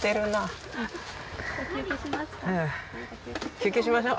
休憩しましょう。